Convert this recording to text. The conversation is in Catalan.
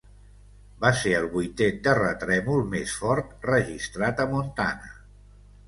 Va ser el vuitè terratrèmol més fort registrat a Montana.